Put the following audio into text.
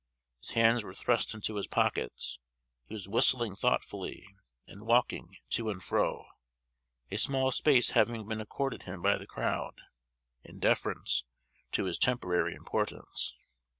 His hands were thrust into his pockets; he was whistling thoughtfully, and walking to and fro, a small space having been accorded him by the crowd, in deference to his temporary importance.